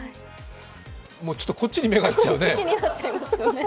ちょっとこっちに目がいっちゃうね。